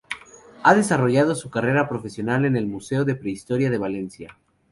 Ha desarrollado su carrera profesional en el Museo de Prehistoria de Valencia.